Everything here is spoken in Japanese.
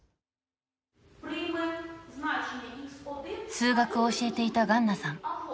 数学を教えていたガンナさん。